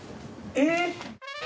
えっ！